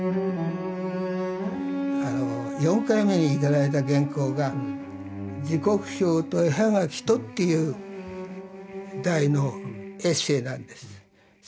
４回目に頂いた原稿が「時刻表と絵葉書と」っていう題のエッセーなんです。